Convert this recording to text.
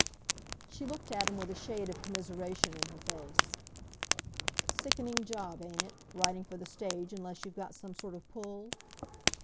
She looked at him with a shade of commiseration in her face. "Sickening job, ain't it, writing for the stage unless you've got some sort of pull?"